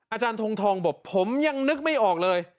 อาจารย์ทงทองบอกผมยังนึกไม่ออกเลย